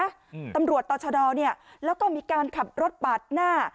อืมตำรวจต่อชะดอเนี้ยแล้วก็มีการขับรถปาดหน้า